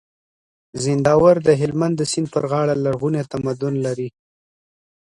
زينداور د هلمند د سيند پر غاړه لرغونی تمدن لري